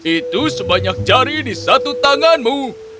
itu sebanyak jari di satu tanganmu